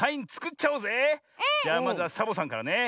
じゃあまずはサボさんからね。